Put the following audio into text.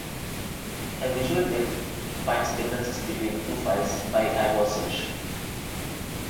A visual diff finds differences between two files by eyeball search.